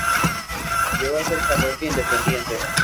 Llegó a ser parroquia independiente.